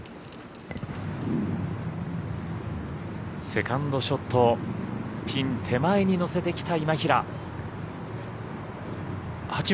セカンドショットピン手前に乗せてきた今平。